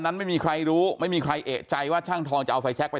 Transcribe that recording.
นั้นไม่มีใครรู้ไม่มีใครเอกใจว่าช่างทองจะเอาไฟแชคไป